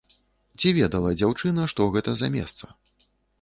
Ці ведала дзяўчына, што гэта за месца?